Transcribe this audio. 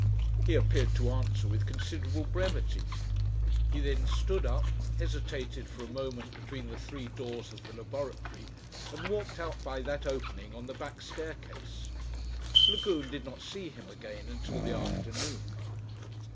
He appeared to answer with considerable brevity. He then stood up, hesitated for a moment between the three doors of the laboratory and walked out by that opening on the back staircase. Lagune did not see him again until the afternoon.